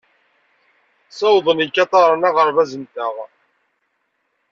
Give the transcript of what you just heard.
Sewḍen yikataren aɣerbaz-nteɣ.